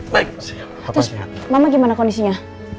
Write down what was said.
terus mama gimana kondisinya